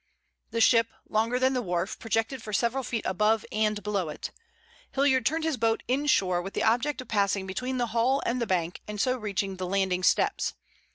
The ship, longer than the wharf, projected for several feet above and below it. Hilliard turned his boat inshore with the object of passing between the hull and the bank and so reaching the landing steps.